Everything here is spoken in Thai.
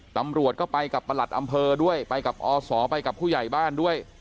ตำรวจก็ไปกับประหลัดอำเภอด้วยไปกับอศไปกับผู้ใหญ่บ้านด้วย